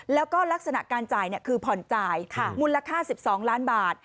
แล้วก็ลักษณะการจ่ายเนี่ยคือผ่อนจ่ายค่ะมูลค่าสิบสองล้านบาท